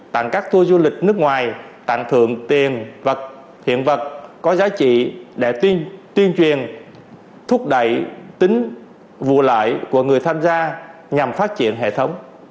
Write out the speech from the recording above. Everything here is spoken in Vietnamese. tặng các tour du lịch nước ngoài tặng thưởng tiền vật hiện vật có giá trị để tuyên truyền thúc đẩy tính vụ lợi của người tham gia nhằm phát triển hệ thống